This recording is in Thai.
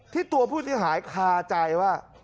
ตัวผู้เสียหายคาใจว่า